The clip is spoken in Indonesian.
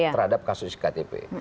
terhadap kasus sktp